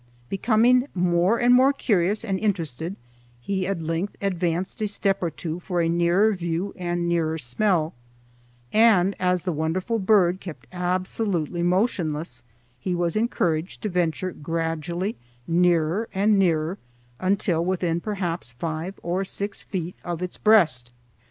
Becoming more and more curious and interested, he at length advanced a step or two for a nearer view and nearer smell; and as the wonderful bird kept absolutely motionless, he was encouraged to venture gradually nearer and nearer until within perhaps five or six feet of its breast.